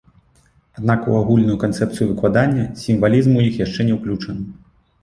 Аднак у агульную канцэпцыю выкладання сімвалізм у іх яшчэ не ўключаны.